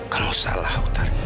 kamu salah utari